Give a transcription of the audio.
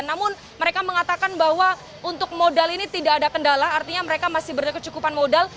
namun mereka mengatakan bahwa untuk modal ini tidak ada kendala artinya mereka masih berkecukupan modal